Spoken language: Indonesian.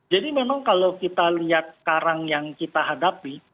jadi memang kalau kita lihat sekarang yang kita hadapi